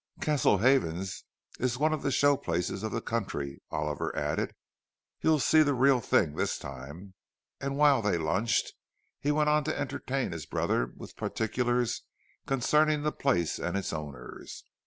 "Castle Havens is one of the show places of the country," Oliver added. "You'll see the real thing this time." And while they lunched, he went on to entertain his brother with particulars concerning the place and its owners.